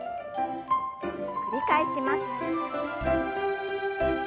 繰り返します。